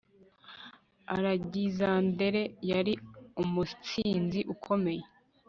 Alegizandere yari umutsinzi ukomeye